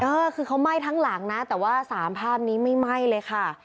เออคือเขาไหม้ทั้งหลังนะแต่ว่า๓ภาพนี้ไม่ไหม้เลยค่ะ